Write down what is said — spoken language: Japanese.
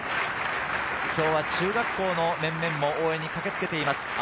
今日は中学校の面々も応援に駆けつけています。